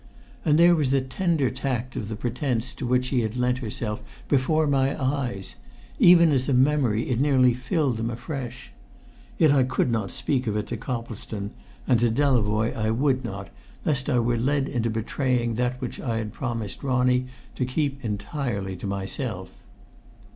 And there was the tender tact of the pretence to which she had lent herself before my eyes; even as a memory it nearly filled them afresh. Yet I could not speak of it to Coplestone, and to Delavoye I would not, lest I were led into betraying that which I had promised Ronnie to keep entirely to myself.